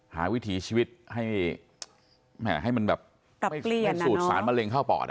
วิถีชีวิตให้มันแบบสูดสารมะเร็งเข้าปอด